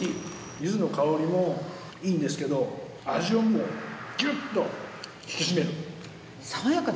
柚子の香りもいいんですけど味をもうギュッと引き締める。